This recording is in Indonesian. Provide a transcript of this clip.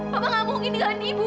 papa gak mau gini dengan ibu